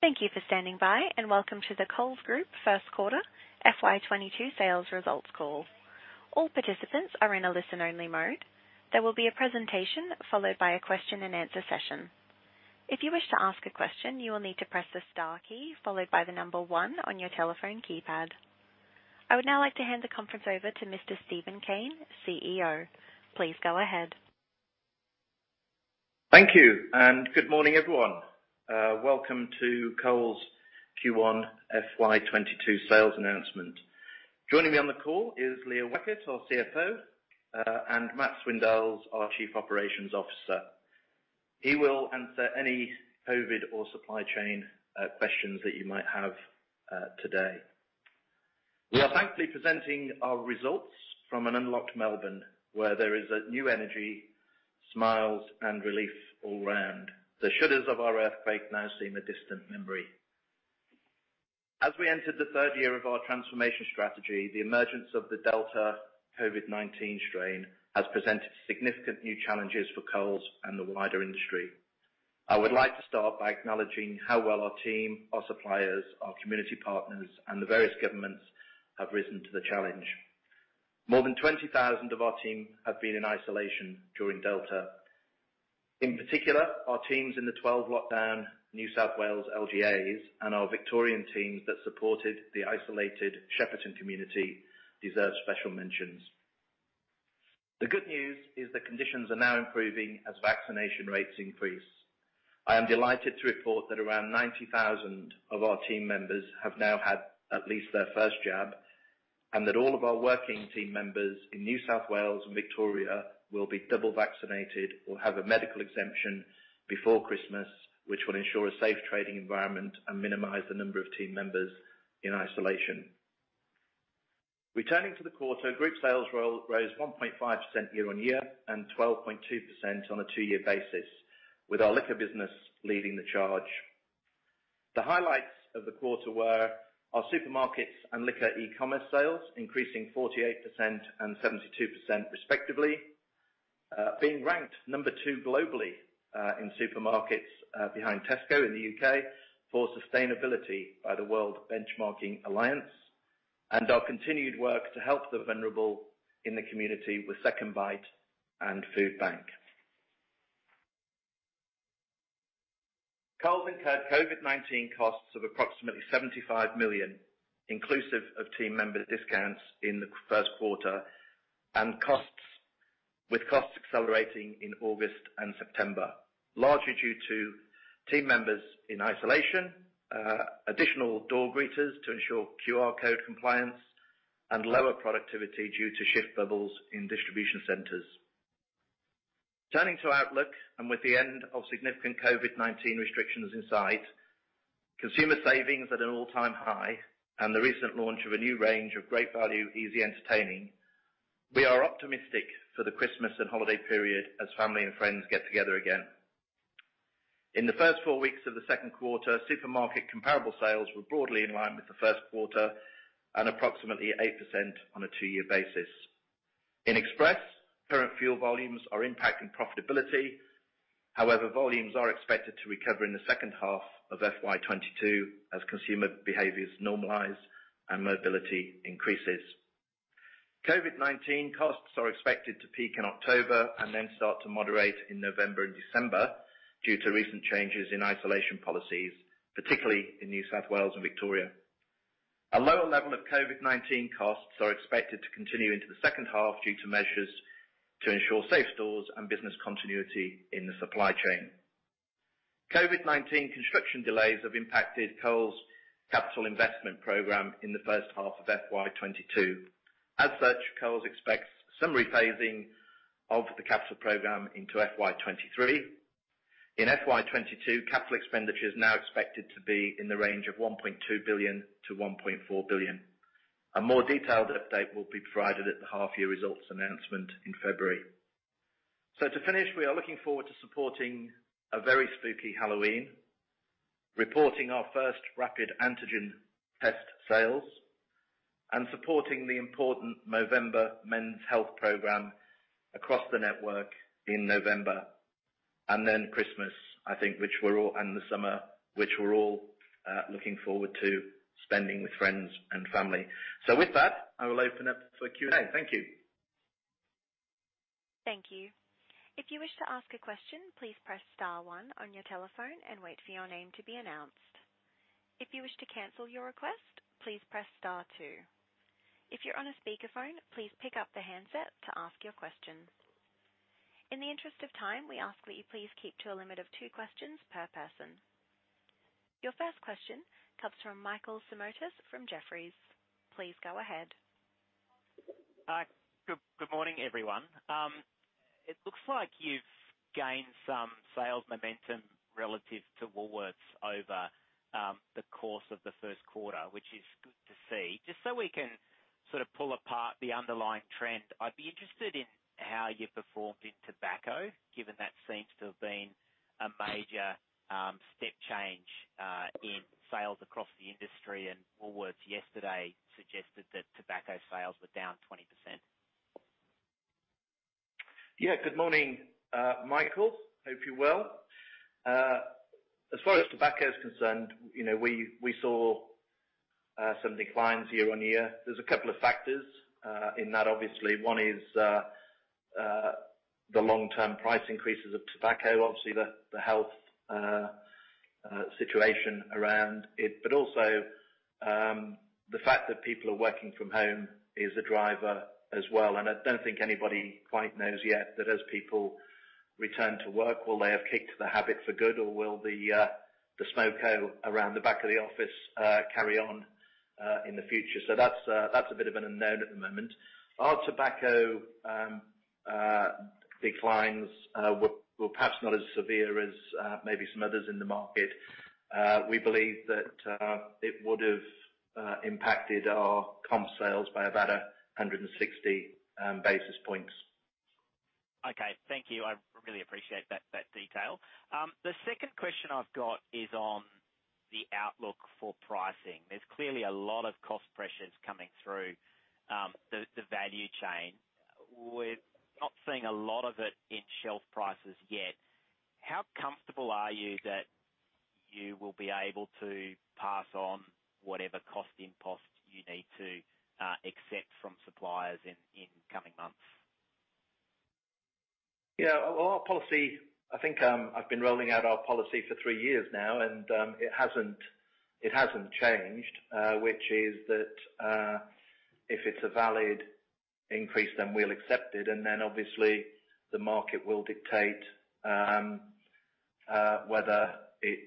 Thank you for standing by, and welcome to the Coles Group first quarter FY 2022 sales results call. All participants are in a listen only mode. There will be a presentation followed by a question-and-answer session. If you wish to ask a question, you will need to press the star key followed by the number one on your telephone keypad. I would now like to hand the conference over to Mr. Steven Cain, CEO. Please go ahead. Thank you. Good morning, everyone. Welcome to Coles Q1 FY 2022 sales announcement. Joining me on the call is Leah Weckert, our CFO, and Matt Swindells, our Chief Operations Officer. He will answer any COVID or supply chain questions that you might have today. We are thankfully presenting our results from an unlocked Melbourne, where there is a new energy, smiles and relief all around. The shudders of our earthquake now seem a distant memory. As we entered the third year of our transformation strategy, the emergence of the Delta COVID-19 strain has presented significant new challenges for Coles and the wider industry. I would like to start by acknowledging how well our team, our suppliers, our community partners, and the various governments have risen to the challenge. More than 20,000 of our team have been in isolation during Delta. In particular, our teams in the 12 lockdown New South Wales LGAs and our Victorian teams that supported the isolated Shepparton community deserve special mentions. The good news is that conditions are now improving as vaccination rates increase. I am delighted to report that around 90,000 of our team members have now had at least their first jab, and that all of our working team members in New South Wales and Victoria will be double vaccinated or have a medical exemption before Christmas, which will ensure a safe trading environment and minimize the number of team members in isolation. Returning to the quarter, group sales LFL rose 1.5% year-on-year and 12.2% on a two-year basis, with our liquor business leading the charge. The highlights of the quarter were our supermarkets and liquor e-commerce sales increasing 48% and 72% respectively. Being ranked number two globally in supermarkets behind Tesco in the U.K. for sustainability by the World Benchmarking Alliance, and our continued work to help the vulnerable in the community with SecondBite and Foodbank. Coles incurred COVID-19 costs of approximately 75 million, inclusive of team member discounts in the first quarter, with costs accelerating in August and September, largely due to team members in isolation, additional door greeters to ensure QR code compliance, and lower productivity due to shift levels in distribution centers. Turning to outlook and with the end of significant COVID-19 restrictions in sight, consumer savings at an all-time high, and the recent launch of a new range of great value easy entertaining, we are optimistic for the Christmas and holiday period as family and friends get together again. In the first four weeks of the second quarter, supermarket comparable sales were broadly in line with the first quarter and approximately 8% on a two-year basis. In Express, current fuel volumes are impacting profitability. However, volumes are expected to recover in the second half of FY 2022 as consumer behaviors normalize and mobility increases. COVID-19 costs are expected to peak in October and then start to moderate in November and December due to recent changes in isolation policies, particularly in New South Wales and Victoria. A lower level of COVID-19 costs are expected to continue into the second half due to measures to ensure safe stores and business continuity in the supply chain. COVID-19 construction delays have impacted Coles' capital investment program in the first half of FY 2022. As such, Coles expects some rephasing of the capital program into FY 2023. In FY 2022, capital expenditure is now expected to be in the range of 1.2 billion-1.4 billion. A more detailed update will be provided at the half-year results announcement in February. To finish, we are looking forward to supporting a very spooky Halloween, reporting our first rapid antigen test sales, and supporting the important Movember men's health program across the network in November. Christmas, I think, which we're all looking forward to spending with friends and family. With that, I will open up for Q&A. Thank you. Your first question comes from Michael Simotas from Jefferies. Please go ahead. Hi. Good morning, everyone. It looks like you've gained some sales momentum relative to Woolworths over the course of the first quarter, which is good to see. Just so we can sort of pull apart the underlying trend, I'd be interested in how you performed in tobacco, given that seems to have been a major step change in sales across the industry. Woolworths yesterday suggested that tobacco sales were down 20%. Yeah. Good morning, Michael. Hope you're well. As far as tobacco is concerned, you know, we saw some declines year-over-year. There's a couple of factors in that, obviously. One is the long-term price increases of tobacco, obviously the health situation around it, but also the fact that people are working from home is a driver as well. I don't think anybody quite knows yet that as people return to work, will they have kicked the habit for good or will the smoke go around the back of the office carry on in the future? That's a bit of an unknown at the moment. Our tobacco declines were perhaps not as severe as maybe some others in the market. We believe that it would have impacted our comp sales by about 160 basis points. Okay. Thank you. I really appreciate that detail. The second question I've got is on the outlook for pricing. There's clearly a lot of cost pressures coming through the value chain. We're not seeing a lot of it in shelf prices yet. How comfortable are you that you will be able to pass on whatever cost impulse you need to accept from suppliers in coming months? Yeah. Well, our policy. I think I've been rolling out our policy for three years now, and it hasn't changed, which is that if it's a valid increase, then we'll accept it, and then obviously the market will dictate whether it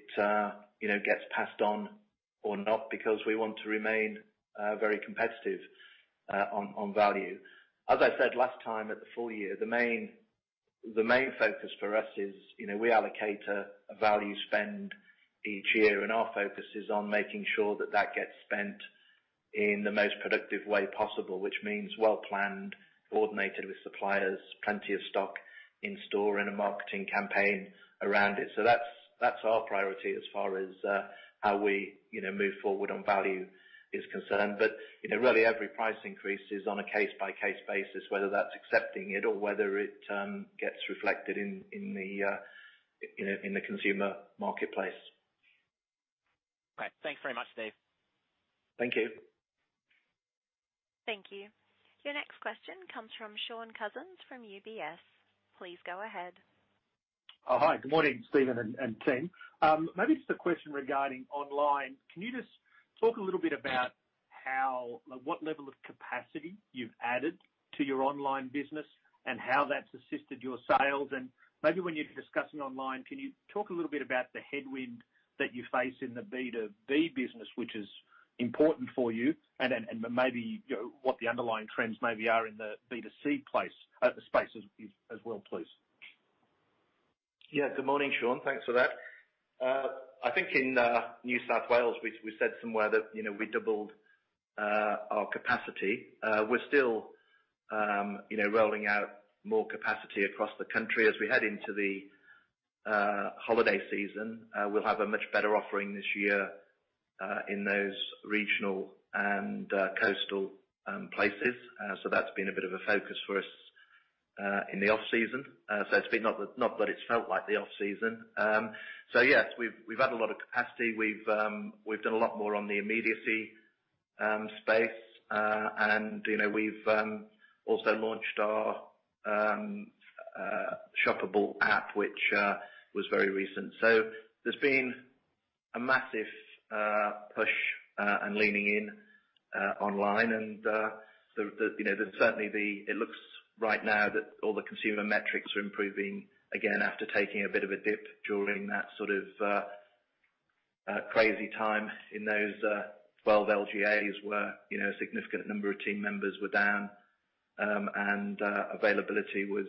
you know gets passed on or not because we want to remain very competitive on value. As I said last time at the full year, the main focus for us is you know we allocate a value spend each year, and our focus is on making sure that that gets spent in the most productive way possible, which means well-planned, coordinated with suppliers, plenty of stock in store, and a marketing campaign around it. That's our priority as far as how we you know move forward on value is concerned. You know, really every price increase is on a case-by-case basis, whether that's accepting it or whether it gets reflected in the, you know, in the consumer marketplace. Great. Thanks very much, Steve. Thank you. Thank you. Your next question comes from Shaun Cousins from UBS. Please go ahead. Oh, hi. Good morning, Steven and team. Maybe just a question regarding online. Can you just talk a little bit about what level of capacity you've added to your online business and how that's assisted your sales? Maybe when you're discussing online, can you talk a little bit about the headwind that you face in the B2B business, which is important for you and then maybe what the underlying trends maybe are in the B2C space as well, please. Yeah. Good morning, Sean. Thanks for that. I think in New South Wales, we said somewhere that, you know, we doubled our capacity. We're still, you know, rolling out more capacity across the country. As we head into the holiday season, we'll have a much better offering this year in those regional and coastal places. That's been a bit of a focus for us in the off-season. It's not that it's felt like the off-season. Yes, we've had a lot of capacity. We've done a lot more on the immediacy space. And, you know, we've also launched our shoppable app, which was very recent. There's been a massive push and leaning in online. You know, certainly it looks right now that all the consumer metrics are improving again after taking a bit of a dip during that sort of crazy time in those 12 LGAs where, you know, a significant number of team members were down, and availability was,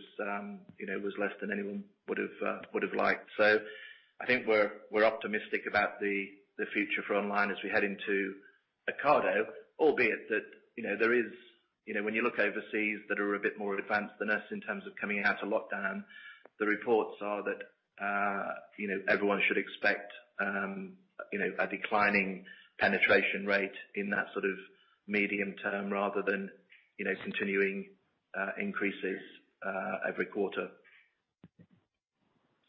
you know, less than anyone would've liked. I think we're optimistic about the future for online as we head into Ocado, albeit that, you know, there is you know, when you look overseas that are a bit more advanced than us in terms of coming out of lockdown, the reports are that, you know, everyone should expect, you know, a declining penetration rate in that sort of medium term rather than, you know, continuing increases every quarter.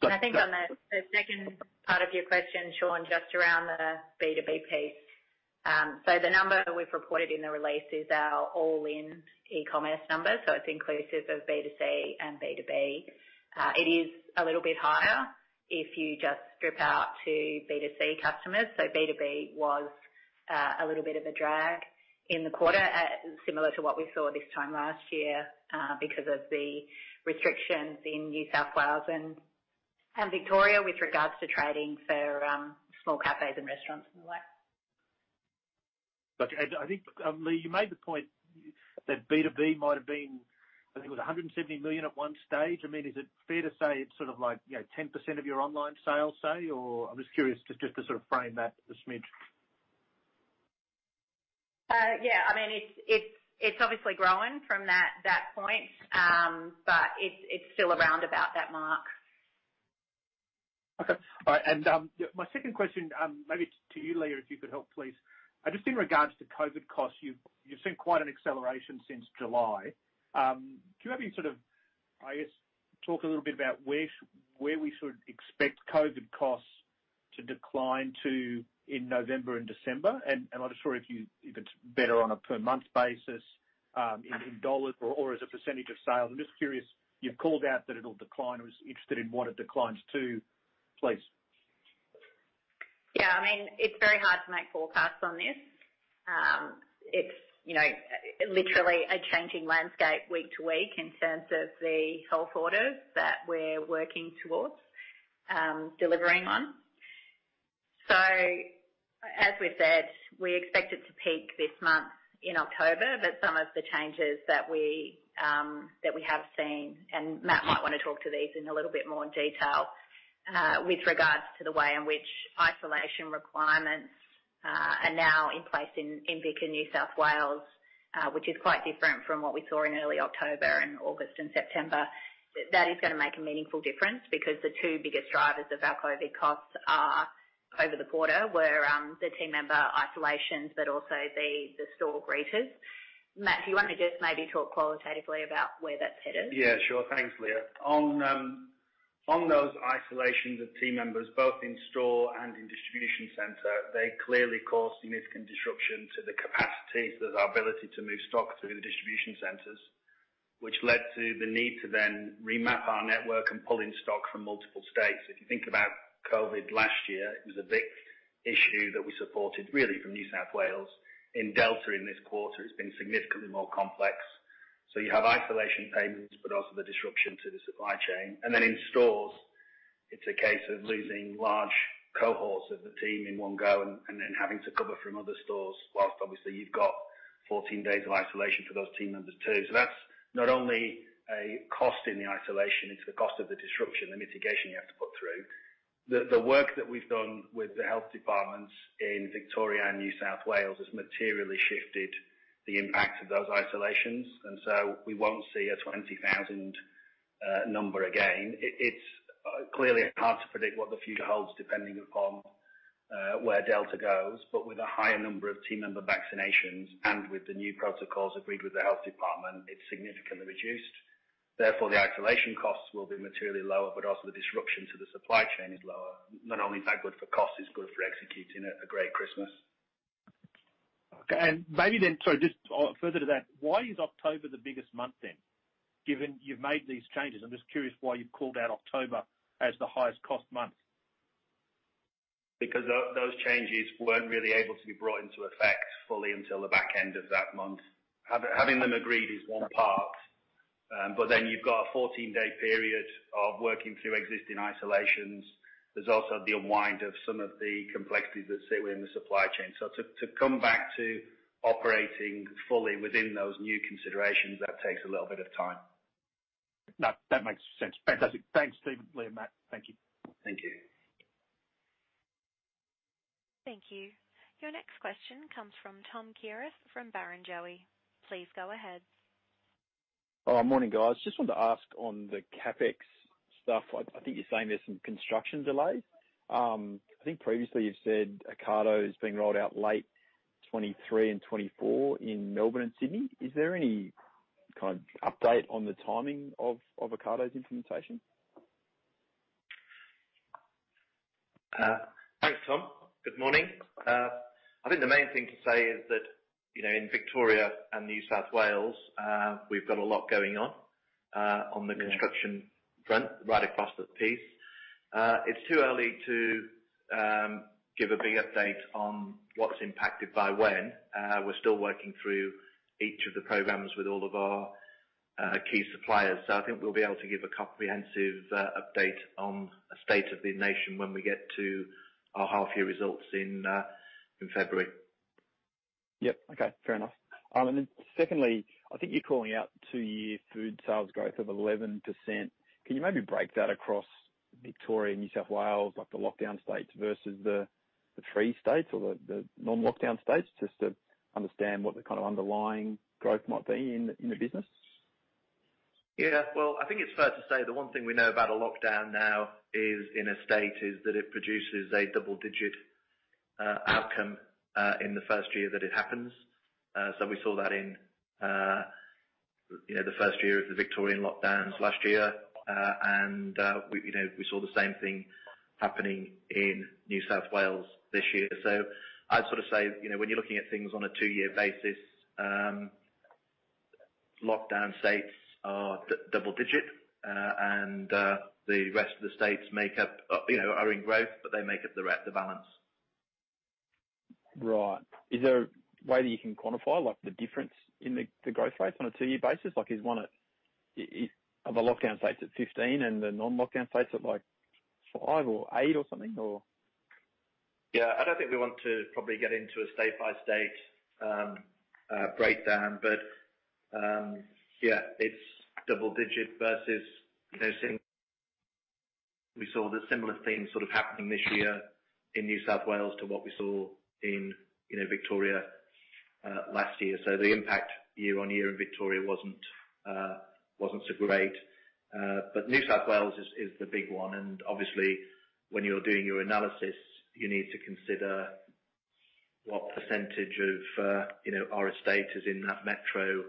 I think on the second part of your question, Sean, just around the B2B piece. The number we've reported in the release is our all-in e-commerce number, so it's inclusive of B2C and B2B. It is a little bit higher if you just strip out to B2C customers. B2B was a little bit of a drag in the quarter, similar to what we saw this time last year, because of the restrictions in New South Wales and Victoria with regards to trading for small cafes and restaurants and the like. Okay. I think, Leah, you made the point that B2B might have been, I think it was 170 million at one stage. I mean, is it fair to say it's sort of like, you know, 10% of your online sales, say? Or I'm just curious just to sort of frame that a smidge. Yeah, I mean, it's obviously growing from that point. It's still around about that mark. My second question, maybe to you, Leah, if you could help, please. Just in regards to COVID costs, you've seen quite an acceleration since July. Do you have any sort of, I guess, talk a little bit about where we should expect COVID costs to decline to in November and December? I'm not sure if it's better on a per month basis, in dollars or as a percentage of sales. I'm just curious. You've called out that it'll decline. I was interested in what it declines to, please. Yeah. I mean, it's very hard to make forecasts on this. It's you know literally a changing landscape week to week in terms of the health orders that we're working towards delivering on. As we said, we expect it to peak this month in October. Some of the changes that we have seen, and Matt might wanna talk to these in a little bit more detail, with regards to the way in which isolation requirements are now in place in Vic and New South Wales, which is quite different from what we saw in early October and August and September. That is gonna make a meaningful difference because the two biggest drivers of our COVID costs over the quarter were the team member isolations, but also the store greeters. Matt, do you wanna just maybe talk qualitatively about where that's headed? Yeah, sure. Thanks, Leah. On those isolations of team members both in store and in distribution center, they clearly cause significant disruption to the capacities of our ability to move stock through the distribution centers, which led to the need to then remap our network and pull in stock from multiple states. If you think about COVID last year, it was a Vic issue that we supported really from New South Wales. In Delta in this quarter, it's been significantly more complex. You have isolation payments, but also the disruption to the supply chain. In stores, it's a case of losing large cohorts of the team in one go and having to cover from other stores while obviously you've got 14 days of isolation for those team members, too. That's not only a cost in the isolation, it's the cost of the disruption, the mitigation you have to put through. The work that we've done with the health departments in Victoria and New South Wales has materially shifted the impact of those isolations, and we won't see a 20,000 number again. It's clearly hard to predict what the future holds depending upon where Delta goes. With a higher number of team member vaccinations and with the new protocols agreed with the health department, it's significantly reduced. Therefore, the isolation costs will be materially lower, but also the disruption to the supply chain is lower. Not only is that good for cost, it's good for executing a great Christmas. Just further to that, why is October the biggest month then, given you've made these changes? I'm just curious why you've called out October as the highest cost month. Because those changes weren't really able to be brought into effect fully until the back end of that month. Having them agreed is one part, but then you've got a 14-day period of working through existing isolations. There's also the unwind of some of the complexities that sit within the supply chain. To come back to operating fully within those new considerations, that takes a little bit of time. No, that makes sense. Fantastic. Thanks, team. Leah, Matt. Thank you. Thank you. Thank you. Your next question comes from Thomas Kierath from Barrenjoey. Please go ahead. Oh, morning, guys. Just wanted to ask on the CapEx stuff. I think you're saying there's some construction delays. I think previously you've said Ocado is being rolled out late 2023 and 2024 in Melbourne and Sydney. Is there any kind of update on the timing of Ocado's implementation? Thanks, Tom. Good morning. I think the main thing to say is that, you know, in Victoria and New South Wales, we've got a lot going on the construction front right across the piece. It's too early to give a big update on what's impacted by when. We're still working through each of the programs with all of our key suppliers. I think we'll be able to give a comprehensive update on a state of the nation when we get to our half year results in February. Yep. Okay, fair enough. Secondly, I think you're calling out two-year food sales growth of 11%. Can you maybe break that across Victoria and New South Wales, like the lockdown states versus the free states or the non-lockdown states, just to understand what the kind of underlying growth might be in the business? Yeah. Well, I think it's fair to say the one thing we know about a lockdown now is, in a state, is that it produces a double digit outcome in the first year that it happens. We saw that in, you know, the first year of the Victorian lockdowns last year. We saw the same thing happening in New South Wales this year. I'd sort of say, you know, when you're looking at things on a two-year basis, lockdown states are double digit, and the rest of the states make up, you know, are in growth, but they make up the rest of balance. Right. Is there a way that you can quantify, like, the difference in the growth rates on a two-year basis? Are the lockdown states at 15% and the non-lockdown states at, like, 5% or 8% or something or? Yeah. I don't think we want to probably get into a state-by-state breakdown. Yeah, it's double digit versus, you know. We saw the similar thing sort of happening this year in New South Wales to what we saw in, you know, Victoria last year. The impact year-on-year in Victoria wasn't so great. New South Wales is the big one and obviously when you're doing your analysis, you need to consider what percentage of, you know, our estate is in that Metro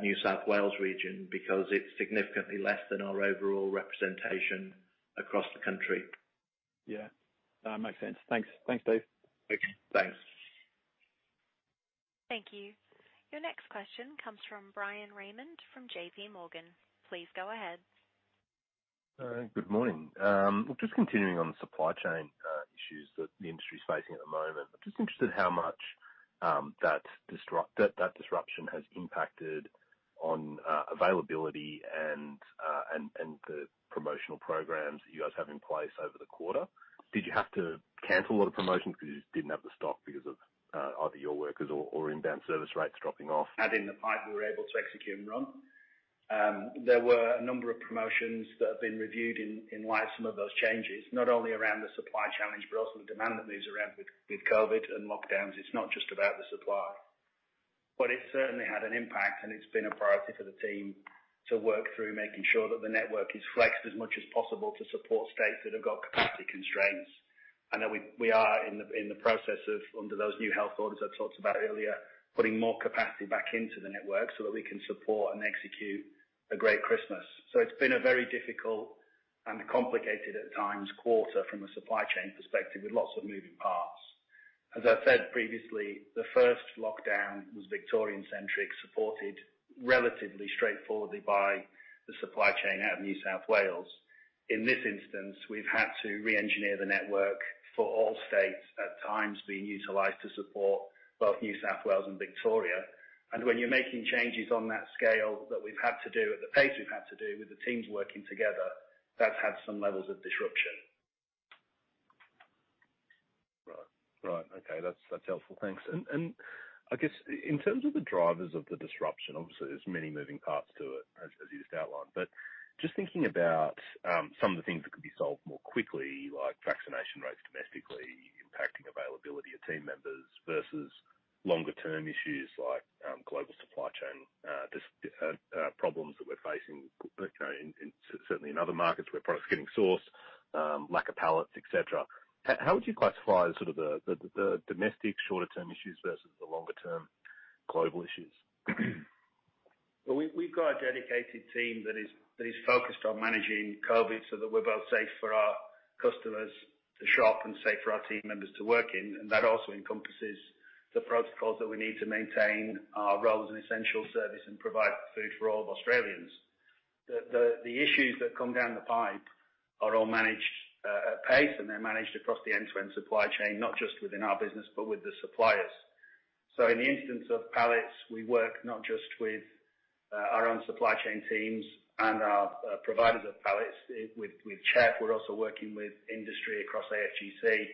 New South Wales region, because it's significantly less than our overall representation across the country. Yeah. That makes sense. Thanks. Thanks, Dave. Okay, thanks. Thank you. Your next question comes from Bryan Raymond from JPMorgan. Please go ahead. Good morning. Just continuing on the supply chain issues that the industry is facing at the moment. I'm just interested how much that disruption has impacted on availability and the promotional programs that you guys have in place over the quarter. Did you have to cancel a lot of promotions because you didn't have the stock because of either your workers or inbound service rates dropping off? In the pipe, we were able to execute and run. There were a number of promotions that have been reviewed in light of some of those changes, not only around the supply challenge, but also the demand that moves around with COVID and lockdowns. It's not just about the supply. It certainly had an impact, and it's been a priority for the team to work through making sure that the network is flexed as much as possible to support states that have got capacity constraints. That we are in the process of, under those new health orders I talked about earlier, putting more capacity back into the network so that we can support and execute a great Christmas. It's been a very difficult and complicated at times quarter from a supply chain perspective with lots of moving parts. As I said previously, the first lockdown was Victorian-centric, supported relatively straightforwardly by the supply chain out of New South Wales. In this instance, we've had to reengineer the network for all states, at times being utilized to support both New South Wales and Victoria. When you're making changes on that scale that we've had to do at the pace we've had to do with the teams working together, that's had some levels of disruption. Right. Okay. That's helpful. Thanks. I guess in terms of the drivers of the disruption, obviously, there's many moving parts to it, as you just outlined. Just thinking about some of the things that could be solved more quickly, like vaccination rates domestically impacting availability of team members versus longer term issues like global supply chain problems that we're facing, you know, certainly in other markets where products are getting sourced, lack of pallets, et cetera. How would you classify sort of the domestic shorter term issues versus the longer term global issues? We've got a dedicated team that is focused on managing COVID so that we're both safe for our customers to shop and safe for our team members to work in. That also encompasses the protocols that we need to maintain our roles in essential service and provide food for all Australians. The issues that come down the pipe are all managed at pace, and they're managed across the end-to-end supply chain, not just within our business, but with the suppliers. In the instance of pallets, we work not just with our own supply chain teams and our providers of pallets. With CHEP, we're also working with industry across AFGC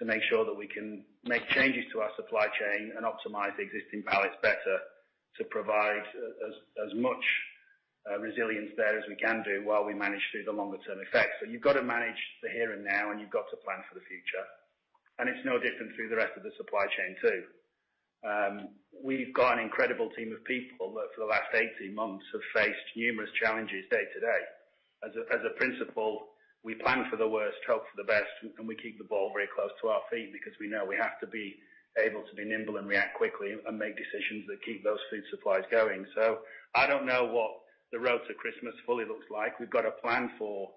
to make sure that we can make changes to our supply chain and optimize the existing pallets better to provide as much resilience there as we can do while we manage through the longer term effects. You've got to manage the here and now, and you've got to plan for the future. It's no different through the rest of the supply chain too. We've got an incredible team of people that for the last 18 months have faced numerous challenges day to day. As a principle, we plan for the worst, hope for the best, and we keep the ball very close to our feet because we know we have to be able to be nimble and react quickly and make decisions that keep those food supplies going. I don't know what the road to Christmas fully looks like. We've got a plan for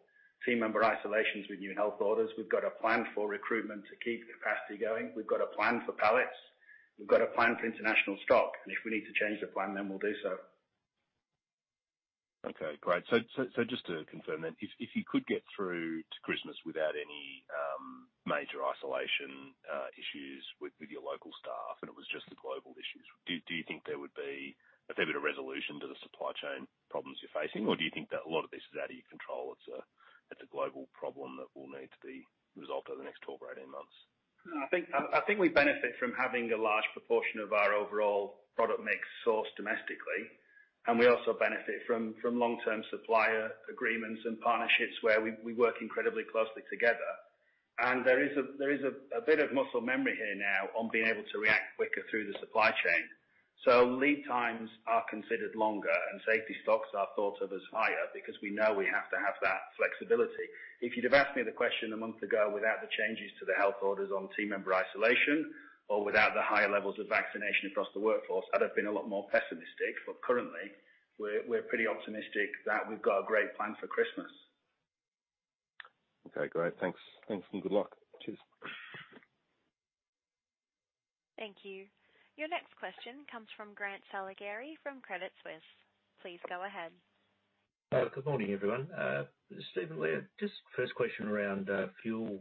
team member isolations with new health orders. We've got a plan for recruitment to keep capacity going. We've got a plan for pallets. We've got a plan for international stock. If we need to change the plan, then we'll do so. Okay, great. Just to confirm then, if you could get through to Christmas without any major isolation issues with your local staff, and it was just the global issues, do you think there would be a fair bit of resolution to the supply chain problems you're facing? Or do you think that a lot of this is out of your control? It's a global problem that will need to be resolved over the next 12 months or 18 months. I think we benefit from having a large proportion of our overall product mix sourced domestically, and we also benefit from long-term supplier agreements and partnerships where we work incredibly closely together. There is a bit of muscle memory here now on being able to react quicker through the supply chain. Lead times are considered longer and safety stocks are thought of as higher because we know we have to have that flexibility. If you'd have asked me the question a month ago without the changes to the health orders on team member isolation or without the higher levels of vaccination across the workforce, I'd have been a lot more pessimistic. Currently, we're pretty optimistic that we've got a great plan for Christmas. Okay, great. Thanks. Thanks and good luck. Cheers. Thank you. Your next question comes from Grant Saligari from Credit Suisse. Please go ahead. Good morning, everyone. Steven, Leah, just first question around fuel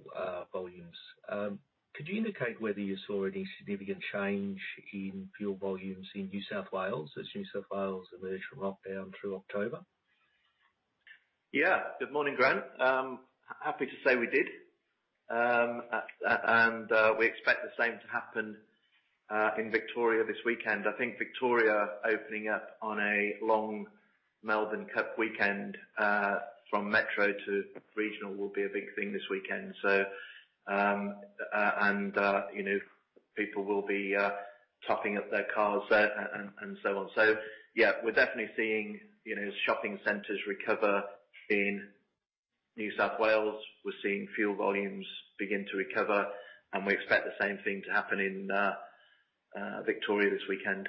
volumes. Could you indicate whether you saw any significant change in fuel volumes in New South Wales as New South Wales emerged from lockdown through October? Yeah. Good morning, Grant. Happy to say we did. We expect the same to happen in Victoria this weekend. I think Victoria opening up on a long- Melbourne Cup weekend from metro to regional will be a big thing this weekend. You know, people will be topping up their cars there and so on. Yeah, we're definitely seeing, you know, shopping centers recover in New South Wales. We're seeing fuel volumes begin to recover, and we expect the same thing to happen in Victoria this weekend.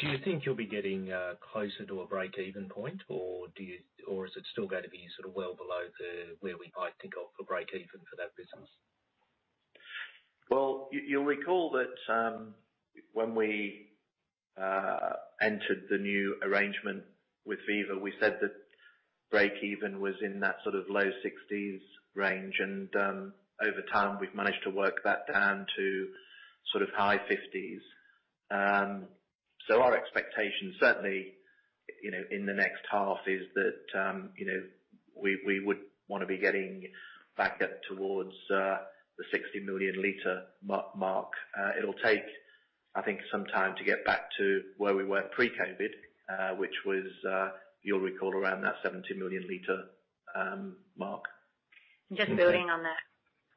Do you think you'll be getting closer to a break-even point, or is it still gonna be sort of well below the where we might think of for break-even for that business? Well, you'll recall that when we entered the new arrangement with Viva, we said that break-even was in that sort of low 60s range, and over time, we've managed to work that down to sort of high 50s. Our expectation certainly, you know, in the next half is that, you know, we would wanna be getting back up towards the 60 million liter mark. It'll take, I think, some time to get back to where we were pre-COVID, which was, you'll recall, around that 70 million liter mark. Just building on that.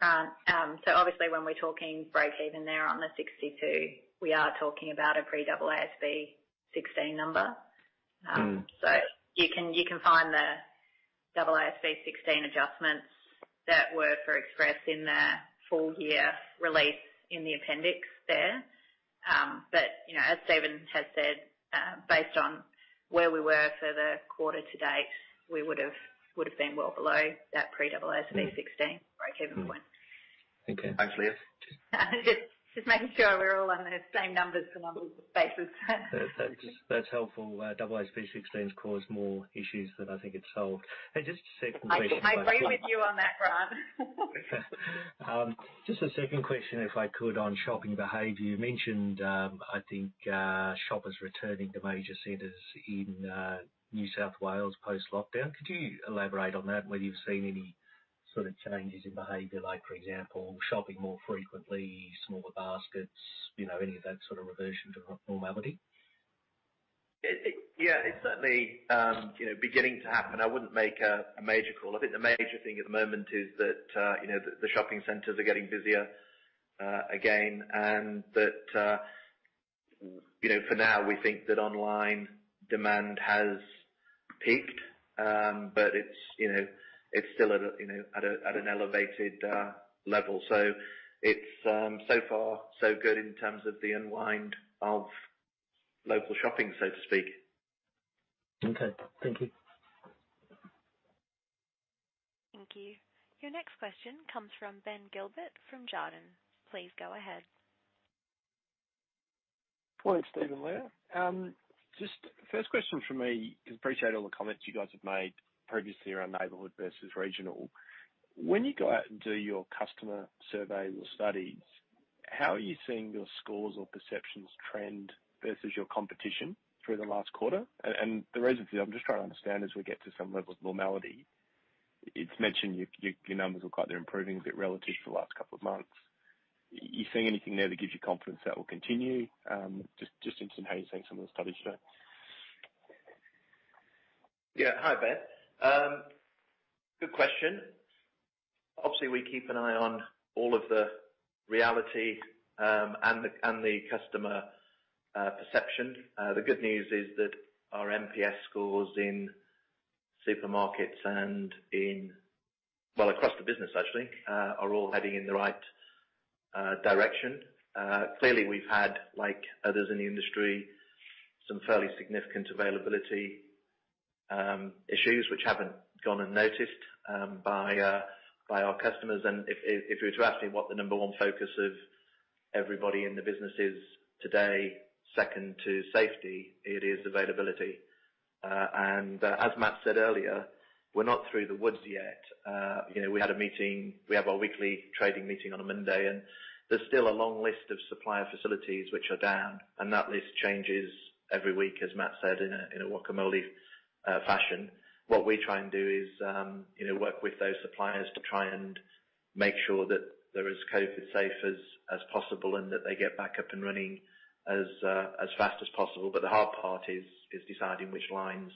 Obviously when we're talking break-even there on the 62, we are talking about a pre-AASB 16 number. Mm-hmm. You can find the AASB 16 adjustments that were for Express in the full year release in the appendix there. You know, as Steven has said, based on where we were for the quarter to date, we would've been well below that pre-AASB 16 break-even point. Okay. Thanks, Leah. Just making sure we're all on the same numbers and on the same basis. That's helpful. AASB 16's caused more issues than I think it solved. Just a second question. I agree with you on that front. Just a second question, if I could, on shopping behavior. You mentioned, I think, shoppers returning to major centers in New South Wales post-lockdown. Could you elaborate on that, whether you've seen any sort of changes in behavior, like for example, shopping more frequently, smaller baskets, you know, any of that sort of reversion to normality? Yeah, it's certainly, you know, beginning to happen. I wouldn't make a major call. I think the major thing at the moment is that, you know, the shopping centers are getting busier, again, and that, you know, for now we think that online demand has peaked. It's, you know, it's still at an elevated level. It's so far so good in terms of the unwind of local shopping, so to speak. Okay. Thank you. Thank you. Your next question comes from Ben Gilbert from Jarden. Please go ahead. Good morning, Steven and Leah. Just first question from me is I appreciate all the comments you guys have made previously around neighborhood versus regional. When you go out and do your customer surveys or studies, how are you seeing your scores or perceptions trend versus your competition through the last quarter? And the reason for this, I'm just trying to understand as we get to some level of normality, it's mentioned your numbers look like they're improving a bit relative to the last couple of months. You seeing anything there that gives you confidence that will continue? Just in terms of how you're seeing some of the studies today. Yeah. Hi, Ben. Good question. Obviously, we keep an eye on all of the retailers and the customer perception. The good news is that our NPS scores in supermarkets and well, across the business, I think, are all heading in the right direction. Clearly we've had, like others in the industry, some fairly significant availability issues which haven't gone unnoticed by our customers. If you were to ask me what the number one focus of everybody in the business is today, second to safety, it is availability. As Matt said earlier, we're not through the woods yet. You know, we had a meeting. We have our weekly trading meeting on a Monday, and there's still a long list of supplier facilities which are down, and that list changes every week, as Matt said, in a whack-a-mole fashion. What we try and do is, you know, work with those suppliers to try and make sure that they're as COVID-safe as possible and that they get back up and running as fast as possible. The hard part is deciding which lines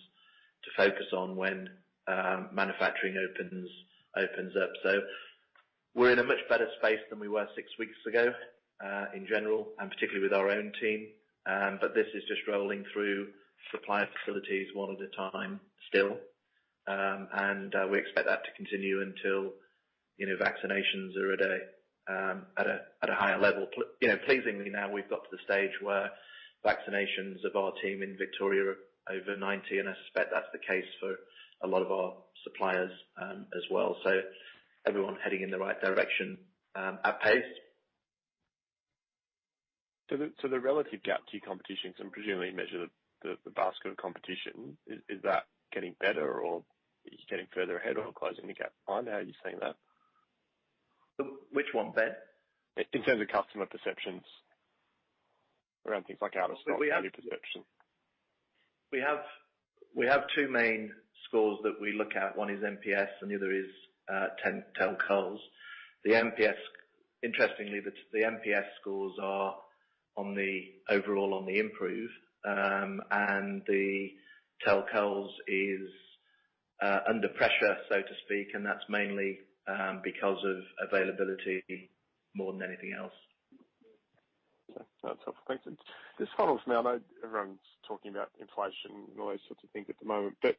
to focus on when manufacturing opens up. We're in a much better space than we were six weeks ago, in general, and particularly with our own team. This is just rolling through supplier facilities one at a time still. We expect that to continue until, you know, vaccinations are at a higher level. Pleasingly, you know, now we've got to the stage where vaccinations of our team in Victoria are over 90, and I suspect that's the case for a lot of our suppliers, as well. Everyone heading in the right direction, at pace. The relative gap to your competition, presumably you measure the basket of competition, is that getting better, or are you getting further ahead or closing the gap behind? How are you seeing that? Which one, Ben? In terms of customer perceptions around things like out of stock. We have value perception. We have two main scores that we look at. One is NPS and the other is tNPS. Interestingly, the NPS scores are overall on the improve, and the tNPS is under pressure, so to speak, and that's mainly because of availability more than anything else. Okay. That's helpful. Thanks. This follows now. I know everyone's talking about inflation and all those sorts of things at the moment, but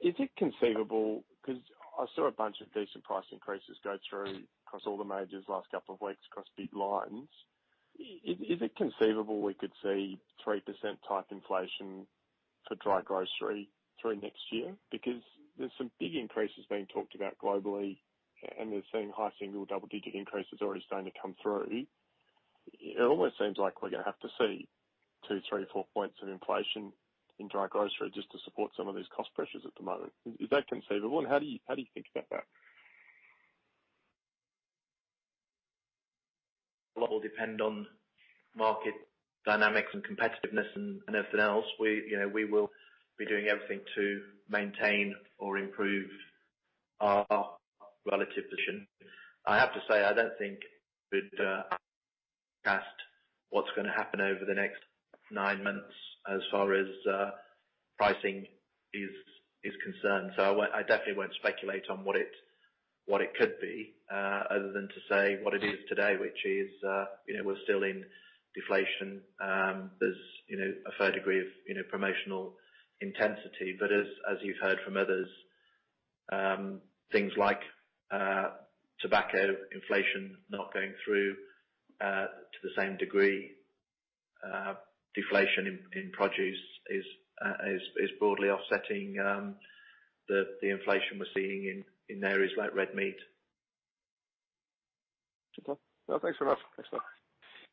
is it conceivable, 'cause I saw a bunch of decent price increases go through across all the majors last couple of weeks across big lines. Is it conceivable we could see 3% type inflation for dry grocery through next year? Because there's some big increases being talked about globally, and we're seeing high single or double-digit increases already starting to come through. It almost seems like we're gonna have to see two, three, four points of inflation in dry grocery just to support some of these cost pressures at the moment. Is that conceivable, and how do you think about that? A lot will depend on market dynamics and competitiveness and everything else. We will be doing everything to maintain or improve our relative position. I have to say, I don't think we'd forecast what's gonna happen over the next nine months as far as pricing is concerned. I definitely won't speculate on what it could be, other than to say what it is today, which is, you know, we're still in deflation. There's a fair degree of promotional intensity. As you've heard from others, things like tobacco inflation not going through to the same degree, deflation in produce is broadly offsetting the inflation we're seeing in areas like red meat. Okay. No, thanks for that. Thanks a lot.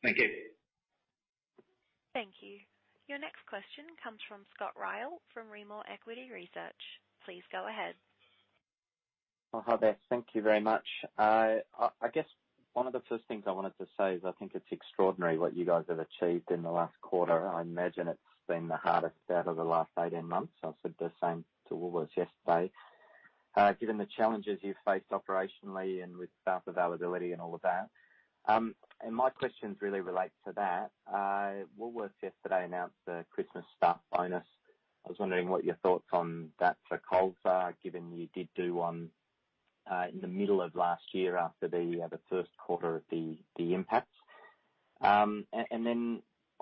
Thank you. Thank you. Your next question comes from Scott Ryall, from Rimor Equity Research. Please go ahead. Hi there. Thank you very much. I guess one of the first things I wanted to say is I think it's extraordinary what you guys have achieved in the last quarter. I imagine it's been the hardest out of the last 18 months. I said the same to Woolworths yesterday. Given the challenges you faced operationally and with staff availability and all of that, my questions really relate to that. Woolworths yesterday announced the Christmas staff bonus. I was wondering what your thoughts on that for Coles are, given you did do one in the middle of last year after the first quarter of the impact.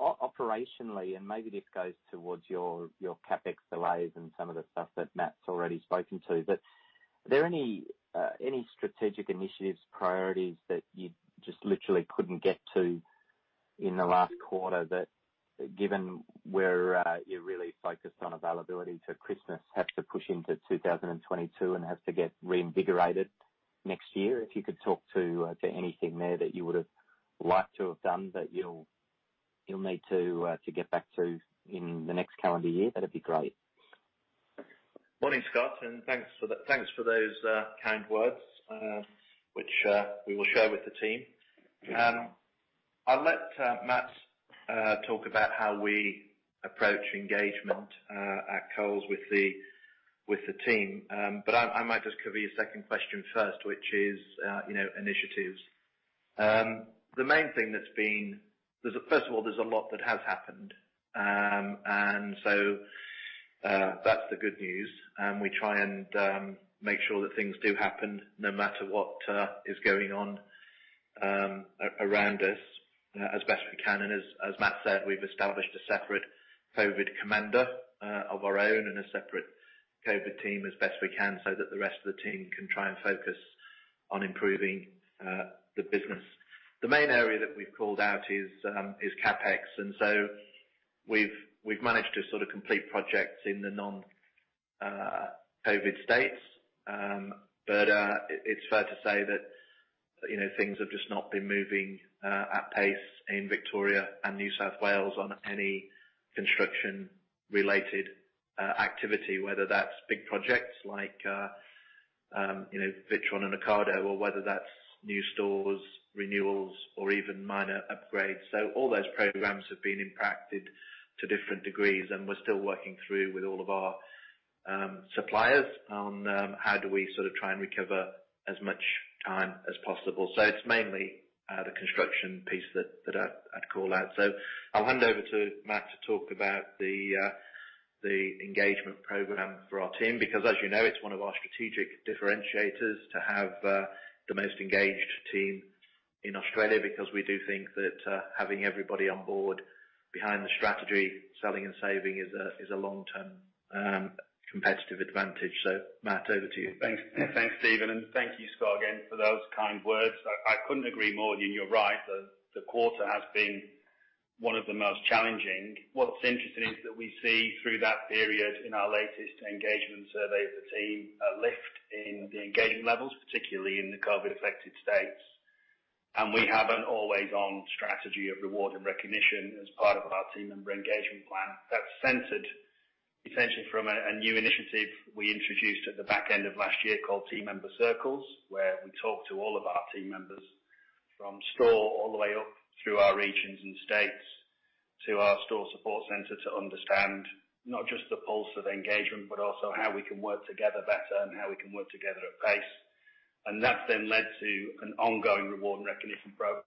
Operationally, and maybe this goes towards your CapEx delays and some of the stuff that Matt's already spoken to, but are there any strategic initiatives, priorities that you just literally couldn't get to in the last quarter, that given where you're really focused on availability to Christmas, have to push into 2022 and have to get reinvigorated next year? If you could talk to anything there that you would have liked to have done, but you'll need to get back to in the next calendar year, that'd be great. Morning, Scott, and thanks for those kind words, which we will share with the team. I'll let Matt talk about how we approach engagement at Coles with the team. I might just cover your second question first, which is, you know, initiatives. First of all, there's a lot that has happened, and that's the good news. We try and make sure that things do happen no matter what is going on around us as best we can. As Matt said, we've established a separate COVID commander of our own and a separate COVID team as best we can, so that the rest of the team can try and focus on improving the business. The main area that we've called out is CapEx, and we've managed to sort of complete projects in the non-COVID states. It's fair to say that, you know, things have just not been moving at pace in Victoria and New South Wales on any construction related activity, whether that's big projects like, you know, Witron and Ocado or whether that's new stores, renewals, or even minor upgrades. All those programs have been impacted to different degrees, and we're still working through with all of our suppliers on how do we sort of try and recover as much time as possible. It's mainly the construction piece that I'd call out. I'll hand over to Matt to talk about the engagement program for our team, because as you know, it's one of our strategic differentiators to have the most engaged team in Australia, because we do think that having everybody on board behind the strategy, selling and saving is a long-term competitive advantage. Matt, over to you. Thanks. Yeah. Thanks, Steven. Thank you, Scott, again, for those kind words. I couldn't agree more. You're right, the quarter has been one of the most challenging. What's interesting is that we see through that period in our latest engagement survey of the team, a lift in the engagement levels, particularly in the COVID-affected states. We have an always on strategy of reward and recognition as part of our team member engagement plan that's centered essentially from a new initiative we introduced at the back end of last year called Team Member Circles, where we talk to all of our team members from store all the way up through our regions and states. To our store support center to understand not just the pulse of engagement, but also how we can work together better and how we can work together at pace. That's then led to an ongoing reward and recognition program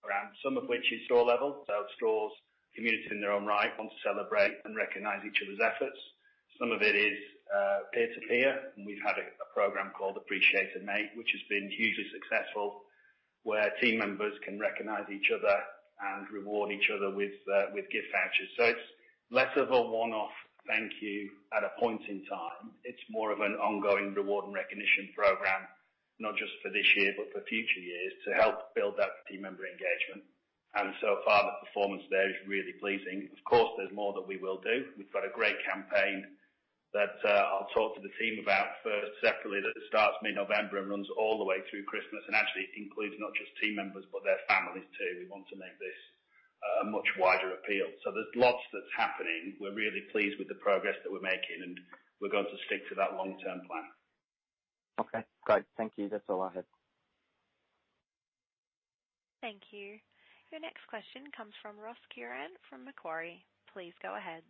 around some of which is store level. Stores, community in their own right, want to celebrate and recognize each other's efforts. Some of it is peer-to-peer, and we've had a program called Appreciate a Mate, which has been hugely successful, where team members can recognize each other and reward each other with gift vouchers. It's less of a one-off thank you at a point in time. It's more of an ongoing reward and recognition program, not just for this year, but for future years to help build that team member engagement. So far, the performance there is really pleasing. Of course, there's more that we will do. We've got a great campaign that, I'll talk to the team about first separately, that it starts mid-November and runs all the way through Christmas, and actually includes not just Team Members, but their families too. We want to make this a much wider appeal. There's lots that's happening. We're really pleased with the progress that we're making, and we're going to stick to that long-term plan. Okay, great. Thank you. That's all I had. Thank you. Your next question comes from Ross Curran from Macquarie. Please go ahead.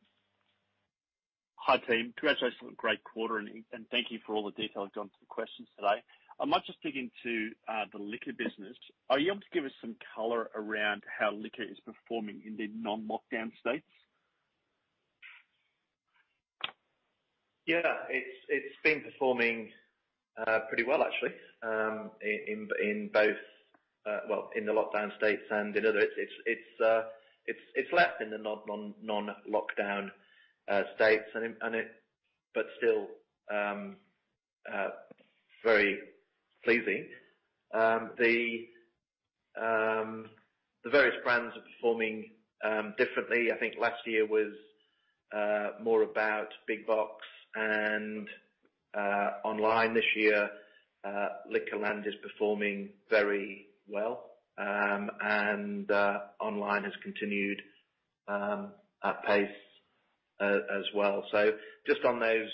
Hi, team. Congratulations on a great quarter and thank you for all the detail gone into the questions today. I might just dig into the liquor business. Are you able to give us some color around how liquor is performing in the non-lockdown states? Yeah. It's been performing pretty well actually in both the lockdown states and in other. It's less in the non-lockdown states, but still very pleasing. The various brands are performing differently. I think last year was more about big box and online. This year, Liquorland is performing very well, and online has continued at pace as well. Just on those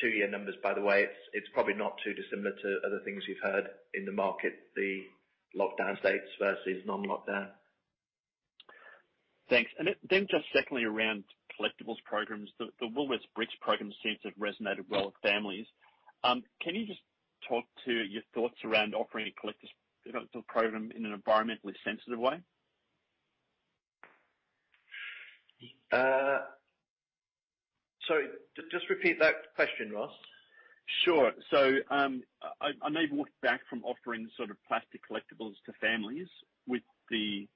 two-year numbers, by the way, it's probably not too dissimilar to other things you've heard in the market, the lockdown states versus non-lockdown. Thanks. Just secondly, around collectibles programs, the Woolworths Bricks program seems to have resonated well with families. Can you just talk to your thoughts around operating a collectors program in an environmentally sensitive way? Sorry, just repeat that question, Ross. Sure. I may have walked back from offering sort of plastic collectibles to families with the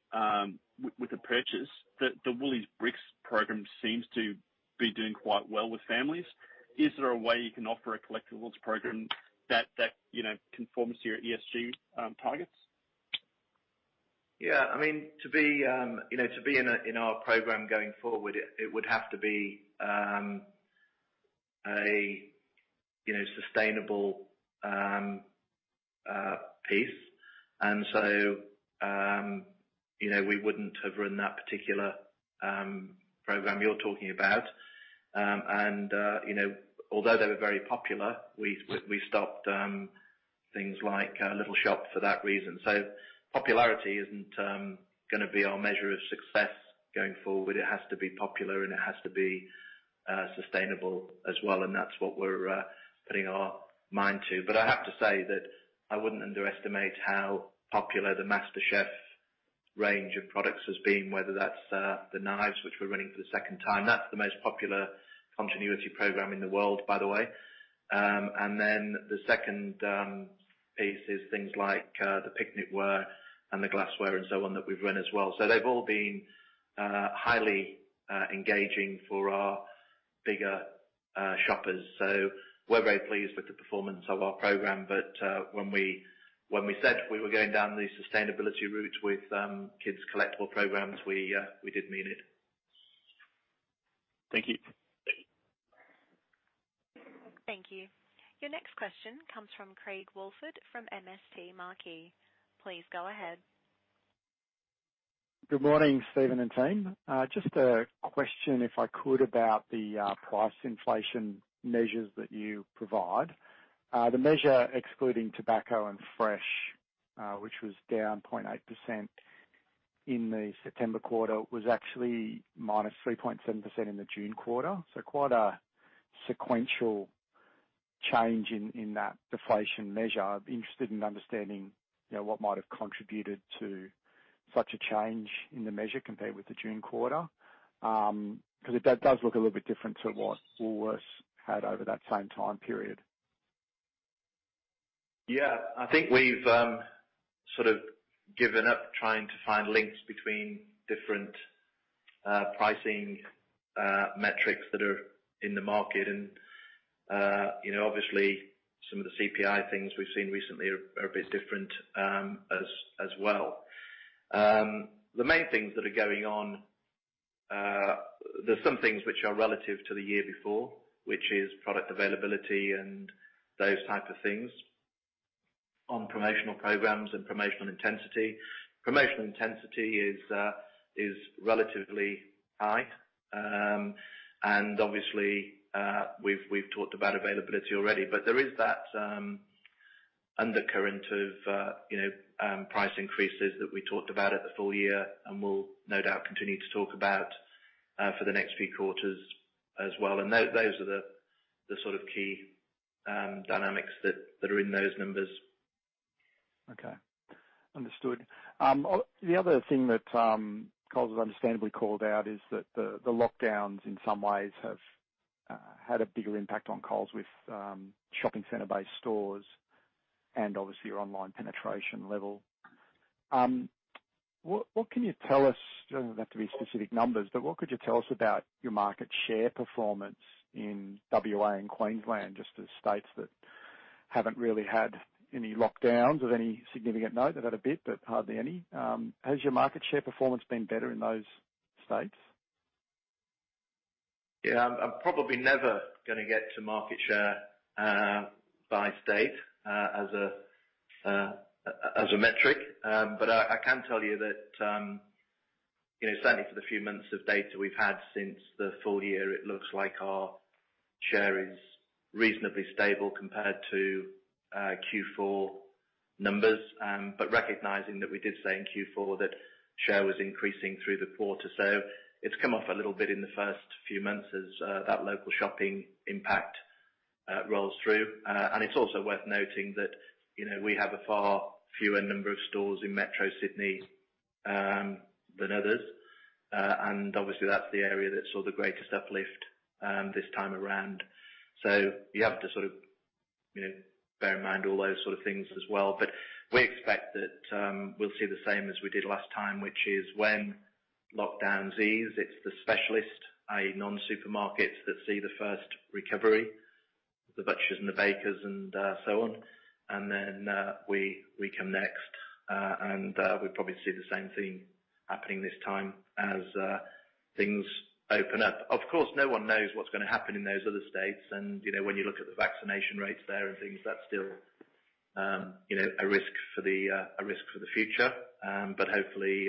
purchase that the Woolworths Bricks program seems to be doing quite well with families. Is there a way you can offer a collectibles program that you know conforms to your ESG targets? Yeah, I mean, to be in our program going forward, it would have to be a sustainable piece. You know, we wouldn't have run that particular program you're talking about. You know, although they were very popular, we stopped things like Little Shop for that reason. Popularity isn't gonna be our measure of success going forward. It has to be popular, and it has to be sustainable as well. That's what we're putting our mind to. I have to say that I wouldn't underestimate how popular the MasterChef range of products has been, whether that's the knives, which we're running for the second time. That's the most popular continuity program in the world, by the way. The second piece is things like the picnic ware and the glassware and so on that we've run as well. They've all been highly engaging for our bigger shoppers. We're very pleased with the performance of our program, but when we said we were going down the sustainability route with kids' collectible programs, we did mean it. Thank you. Thank you. Your next question comes from Craig Woolford from MST Marquee. Please go ahead. Good morning, Stephen and team. Just a question, if I could, about the price inflation measures that you provide. The measure excluding tobacco and fresh, which was down 0.8% in the September quarter, was actually -3.7% in the June quarter. Quite a sequential change in that deflation measure. I'd be interested in understanding, you know, what might have contributed to such a change in the measure compared with the June quarter, 'cause it does look a little bit different to what Woolworths had over that same time period. Yeah. I think we've sort of given up trying to find links between different pricing metrics that are in the market. You know, obviously, some of the CPI things we've seen recently are a bit different as well. The main things that are going on, there's some things which are relative to the year before, which is product availability and those type of things on promotional programs and promotional intensity. Promotional intensity is relatively high. Obviously, we've talked about availability already. There is that undercurrent of you know price increases that we talked about at the full year and we'll no doubt continue to talk about for the next few quarters as well. Those are the sort of key dynamics that are in those numbers. Okay. Understood. The other thing that Coles has understandably called out is that the lockdowns in some ways have had a bigger impact on Coles with shopping center-based stores and obviously your online penetration level. What can you tell us, it doesn't have to be specific numbers, but what could you tell us about your market share performance in WA and Queensland, just as states that haven't really had any lockdowns of any significant note? They've had a bit, but hardly any. Has your market share performance been better in those states? I'm probably never gonna get to market share by state as a metric. I can tell you that you know certainly for the few months of data we've had since the full year, it looks like our share is reasonably stable compared to Q4 numbers recognizing that we did say in Q4 that share was increasing through the quarter. It's come off a little bit in the first few months as that local shopping impact rolls through. It's also worth noting that you know we have a far fewer number of stores in Metro Sydney than others. Obviously that's the area that saw the greatest uplift this time around. You have to sort of you know bear in mind all those sort of things as well. We expect that we'll see the same as we did last time, which is when lockdowns ease, it's the specialist, i.e., non-supermarkets that see the first recovery, the butchers and the bakers and, so on. Then we come next. We probably see the same thing happening this time as things open up. Of course, no one knows what's gonna happen in those other states. You know, when you look at the vaccination rates there and things, that's still you know, a risk for the future. Hopefully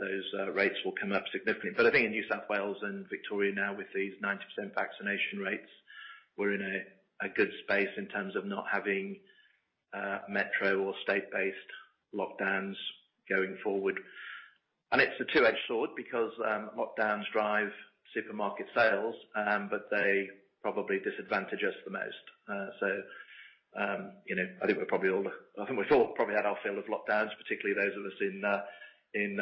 those rates will come up significantly. I think in New South Wales and Victoria now with these 90% vaccination rates, we're in a good space in terms of not having metro or state-based lockdowns going forward. It's a two-edged sword because lockdowns drive supermarket sales, but they probably disadvantage us the most. You know, I think we've all probably had our fill of lockdowns, particularly those of us in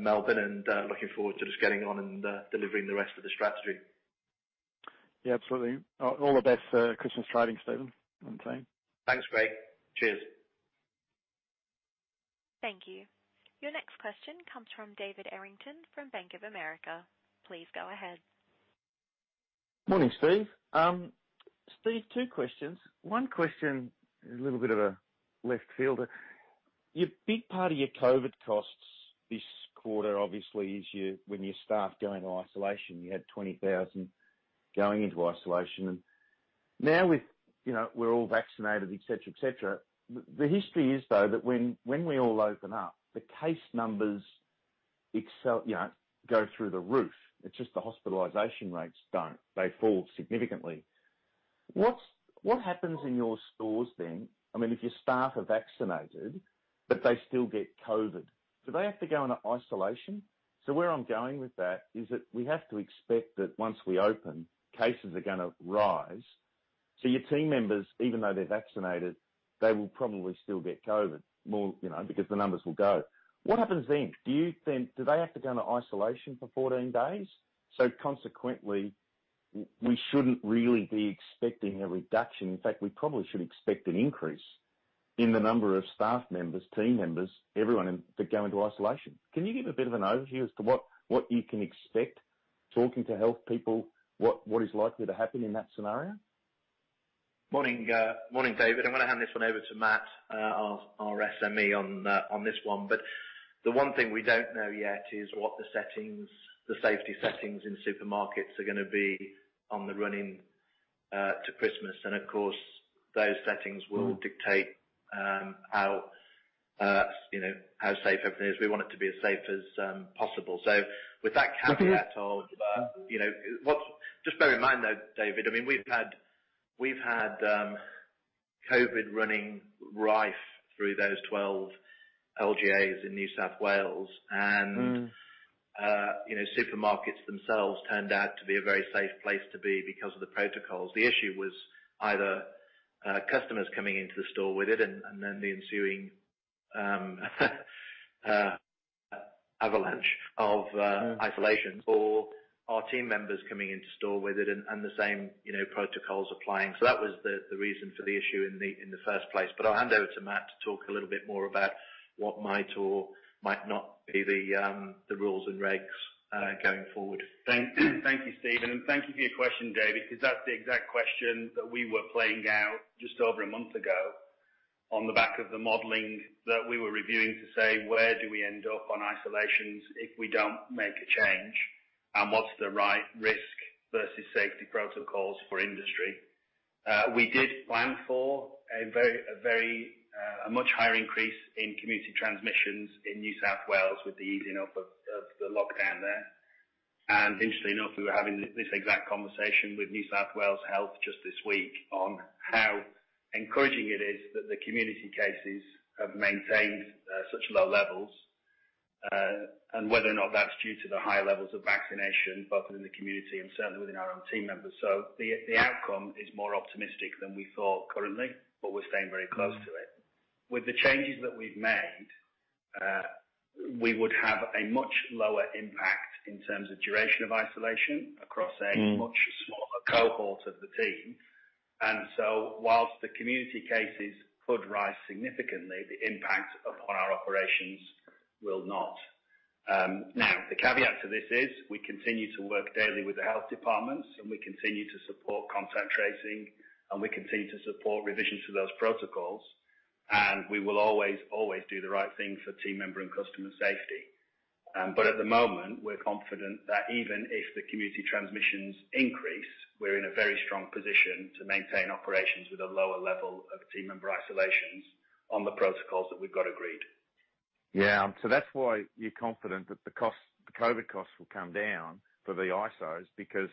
Melbourne, and looking forward to just getting on and delivering the rest of the strategy. Yeah, absolutely. All the best for Christmas trading, Stephen, and same. Thanks, Craig. Cheers. Thank you. Your next question comes from David Errington from Bank of America. Please go ahead. Morning, Steve. Steve, two questions. one question, a little bit of a left fielder. Your big part of your COVID costs this quarter obviously is when your staff go into isolation. You had 20,000 going into isolation. Now with, you know, we're all vaccinated, et cetera. The history is, though, that when we all open up, the case numbers escalate, you know, go through the roof. It's just the hospitalization rates don't. They fall significantly. What happens in your stores then? I mean, if your staff are vaccinated, but they still get COVID, do they have to go into isolation? Where I'm going with that is that we have to expect that once we open, cases are gonna rise. Your team members, even though they're vaccinated, they will probably still get COVID more, you know, because the numbers will go. What happens then? Do you think? Do they have to go into isolation for 14 days? Consequently, we shouldn't really be expecting a reduction. In fact, we probably should expect an increase in the number of staff members, team members, everyone in that go into isolation. Can you give a bit of an overview as to what you can expect, talking to health people, what is likely to happen in that scenario? Morning, David. I'm gonna hand this one over to Matt, our SME on this one. The one thing we don't know yet is what the settings, the safety settings in supermarkets are gonna be on the run-up to Christmas. Of course, those settings will dictate how you know how safe everything is. We want it to be as safe as possible. With that caveat you know just bear in mind, though, David, I mean, we've had COVID running rife through those 12 LGAs in New South Wales and Mm. You know, supermarkets themselves turned out to be a very safe place to be because of the protocols. The issue was either customers coming into the store with it and then the ensuing avalanche of isolations or our team members coming into store with it and the same, you know, protocols applying. That was the reason for the issue in the first place. I'll hand over to Matt to talk a little bit more about what might or might not be the rules and regs going forward. Thank you, Steven. Thank you for your question, David, because that's the exact question that we were playing out just over a month ago on the back of the modeling that we were reviewing to say, where do we end up on isolations if we don't make a change? What's the right risk versus safety protocols for industry? We did plan for a very much higher increase in community transmissions in New South Wales with the easing up of the lockdown there. Interestingly enough, we were having this exact conversation with New South Wales Health just this week on how encouraging it is that the community cases have maintained such low levels, and whether or not that's due to the high levels of vaccination, both within the community and certainly within our own team members. The outcome is more optimistic than we thought currently, but we're staying very close to it. With the changes that we've made, we would have a much lower impact in terms of duration of isolation across- Mm A much smaller cohort of the team. While the community cases could rise significantly, the impact upon our operations will not. The caveat to this is we continue to work daily with the health departments, and we continue to support contact tracing, and we continue to support revisions to those protocols, and we will always do the right thing for team member and customer safety. At the moment, we're confident that even if the community transmissions increase, we're in a very strong position to maintain operations with a lower level of team member isolations on the protocols that we've got agreed. Yeah. That's why you're confident that the costs, the COVID costs will come down for the isolations because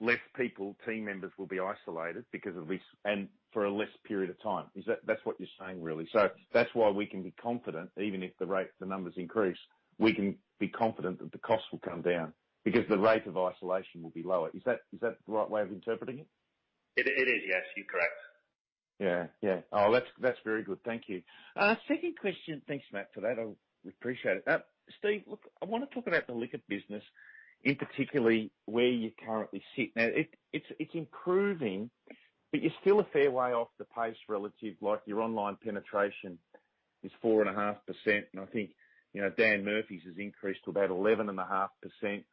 less people, team members will be isolated because of this and for a less period of time. That's what you're saying, really? That's why we can be confident, even if the rate, the numbers increase, we can be confident that the costs will come down because the rate of isolation will be lower. Is that the right way of interpreting it? It is, yes. You're correct. Oh, that's very good. Thank you. Second question. Thanks, Matt, for that. I appreciate it. Steve, look, I want to talk about the liquor business, in particular where you currently sit. Now, it's improving, but you're still a fair way off the pace relative. Like, your online penetration is 4.5%, and I think, you know, Dan Murphy's has increased to about 11.5%.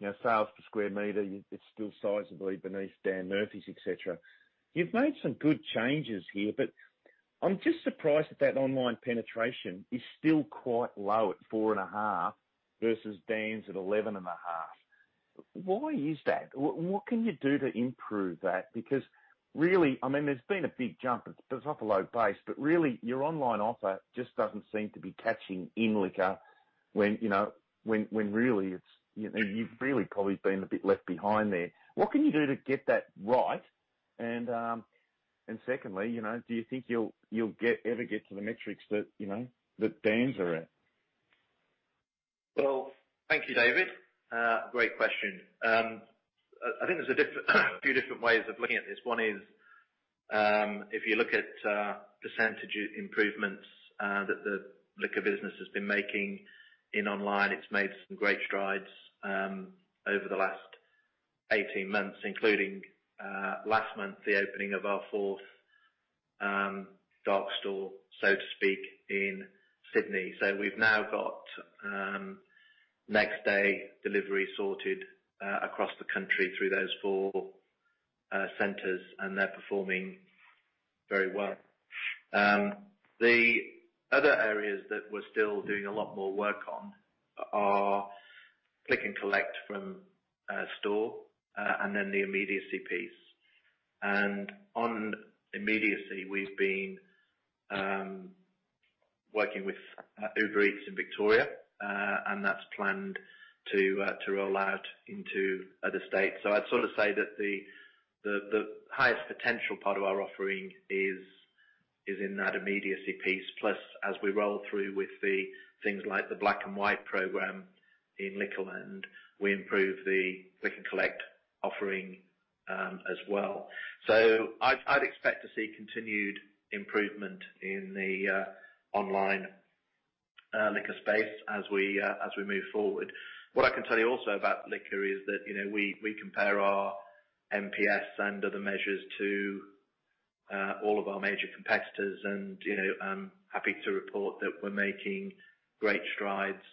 You know, sales per square meter, it's still sizably beneath Dan Murphy's, et cetera. You've made some good changes here, but I'm just surprised that online penetration is still quite low at 4.5 versus Dan's at 11.5. Why is that? What can you do to improve that? Because really, I mean, there's been a big jump. It's off a low base, but really, your online offer just doesn't seem to be catching in liquor, you know, when really it's. You've really probably been a bit left behind there. What can you do to get that right? Secondly, you know, do you think you'll ever get to the metrics that, you know, that Dan Murphy's are at? Well, thank you, David. Great question. I think there's a few different ways of looking at this. One is, if you look at percentage improvements that the liquor business has been making in online, it's made some great strides over the last 18 months, including last month, the opening of our fourth dark store, so to speak, in Sydney. So we've now got next day delivery sorted across the country through those four centers, and they're performing very well. The other areas that we're still doing a lot more work on are click and collect from store, and then the immediacy piece. On immediacy, we've been working with Uber Eats in Victoria, and that's planned to roll out into other states. I'd sort of say that the highest potential part of our offering is in that immediacy piece. Plus, as we roll through with the things like the Black and White program in Liquorland, we improve the click and collect offering as well. I'd expect to see continued improvement in the online liquor space as we move forward. What I can tell you also about liquor is that, you know, we compare our NPS and other measures to all of our major competitors and, you know, I'm happy to report that we're making great strides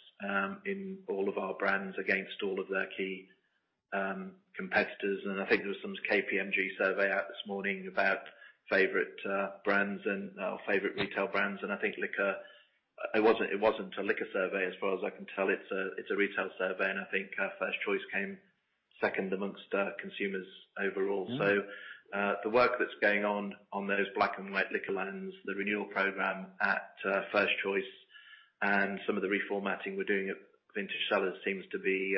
in all of our brands against all of their key competitors. I think there was some KPMG survey out this morning about favorite brands and favorite retail brands. I think liquor. It wasn't a liquor survey as far as I can tell. It's a retail survey, and I think First Choice came second amongst consumers overall. Mm-hmm. The work that's going on those Black and White Liquorlands, the renewal program at First Choice, and some of the reformatting we're doing at Vintage Cellars seems to be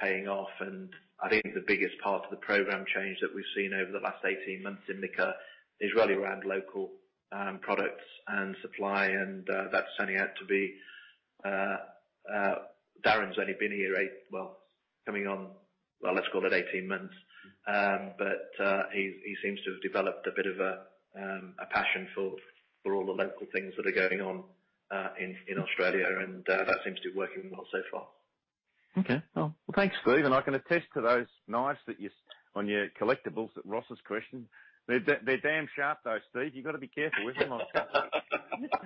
paying off. I think the biggest part of the program change that we've seen over the last 18 months in liquor is really around local products and supply. Darren's only been here 18 months. He seems to have developed a bit of a passion for all the local things that are going on in Australia, and that seems to be working well so far. Okay. Well, thanks, Steve. I can attest to those knives on your collectibles at Ross's question. They're damn sharp, though, Steve. You gotta be careful with them.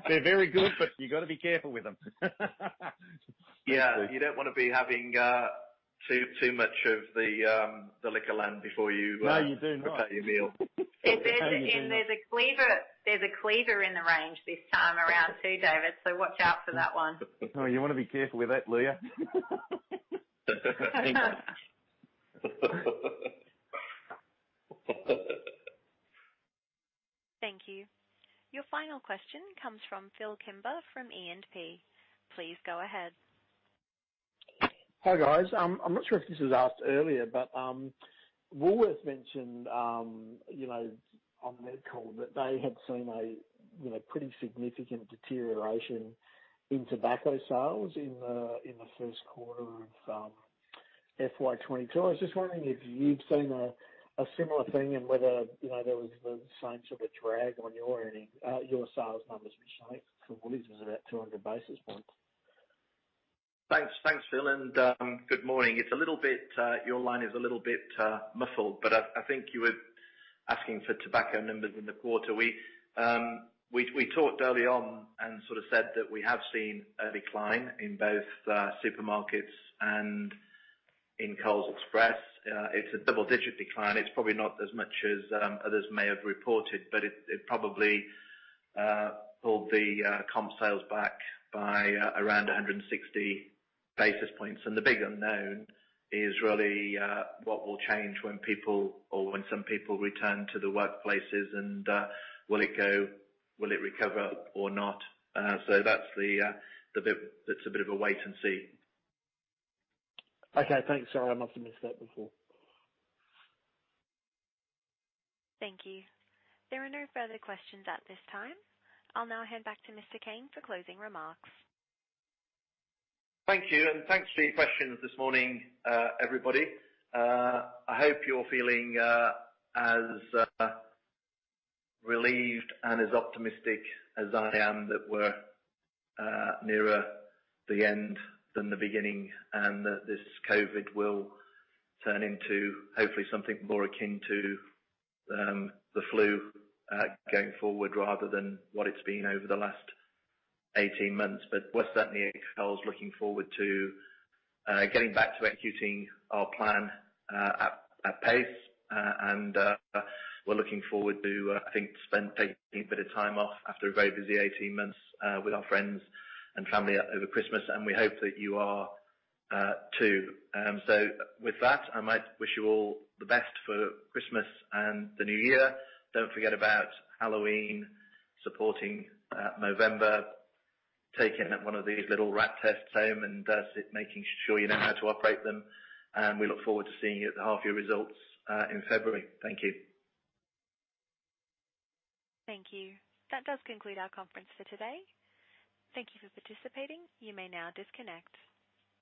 They're very good, but you gotta be careful with them. Yeah. You don't wanna be having too much of the Liquorland before you. No, you do not. Prepare your meal. Prepare your meal. There's a cleaver in the range this time around too, David. Watch out for that one. Oh, you wanna be careful with that, Leah. Thank you. Your final question comes from Phillip Kimber from E&P. Please go ahead. Hi, guys. I'm not sure if this was asked earlier, but Woolworths mentioned, you know, on their call that they had seen a, you know, pretty significant deterioration in tobacco sales in the first quarter of FY 2022. I was just wondering if you've seen a similar thing and whether, you know, there was the same sort of a drag on your sales numbers, which I think for Woolies was about 200 basis points. Thanks. Thanks, Phillip, and good morning. It's a little bit your line is a little bit muffled, but I think you were asking for tobacco numbers in the quarter. We talked early on and sort of said that we have seen a decline in both supermarkets and in Coles Express. It's a double-digit decline. It's probably not as much as others may have reported, but it probably pulled the comp sales back by around 160 basis points. The big unknown is really what will change when people or when some people return to the workplaces and will it go. Will it recover or not? That's the bit. That's a bit of a wait and see. Okay. Thanks. Sorry, I must have missed that before. Thank you. There are no further questions at this time. I'll now hand back to Mr. Cain for closing remarks. Thank you, and thanks for your questions this morning, everybody. I hope you're feeling as relieved and as optimistic as I am that we're nearer the end than the beginning, and that this COVID will turn into hopefully something more akin to the flu going forward rather than what it's been over the last 18 months. We're certainly at Coles looking forward to getting back to executing our plan at pace, and we're looking forward to, I think taking a bit of time off after a very busy 18 months with our friends and family over Christmas, and we hope that you are too. With that, I might wish you all the best for Christmas and the new year. Don't forget about Halloween, supporting Movember, taking one of these little RAT tests home and making sure you know how to operate them. We look forward to seeing you at the half year results in February. Thank you. Thank you. That does conclude our conference for today. Thank you for participating. You may now disconnect.